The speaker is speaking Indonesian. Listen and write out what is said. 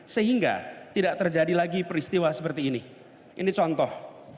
sehingga tidak terjadi lagi peristiwa seperti ini ini contoh